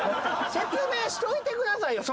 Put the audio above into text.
説明しといてくださいよ